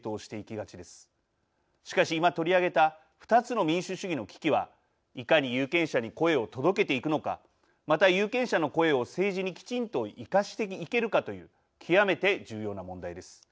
しかし今取り上げた２つの民主主義の危機はいかに有権者に声を届けていくのかまた有権者の声を政治にきちんと生かしていけるかという極めて重要な問題です。